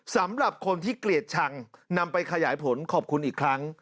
สำหรับคนที่เกลียดชังนำไปขยายผลขอบคุณอีกครั้ง